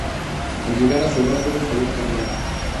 Al llegar a su hogar todos habían cambiado.